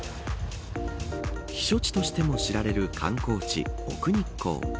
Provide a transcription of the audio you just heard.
避暑地としても知られる観光地奥日光。